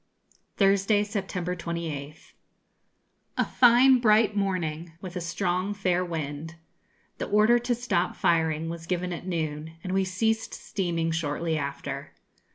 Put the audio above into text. _ Thursday, September 28th, A fine bright morning, with a strong, fair wind. The order to stop firing was given at noon, and we ceased steaming shortly after.